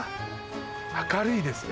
明るいですね。